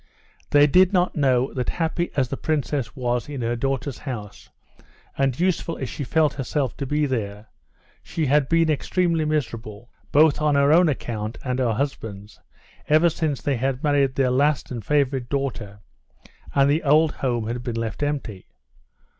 They did not know that happy as the princess was in her daughter's house, and useful as she felt herself to be there, she had been extremely miserable, both on her own account and her husband's, ever since they had married their last and favorite daughter, and the old home had been left empty.